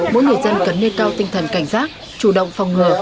mỗi người dân cần nêu cao tinh thần cảnh giác chủ động phòng ngừa